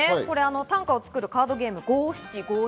短歌を作るカードゲームです。